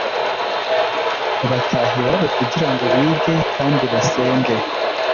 bataha iwabo kugira ngo bige kandi basenge.